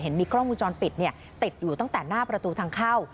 มีกล้องวงจรปิดติดอยู่ตั้งแต่หน้าประตูทางเข้า